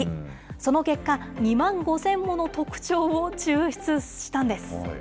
その結果、２万５０００もの特徴を抽出したんです。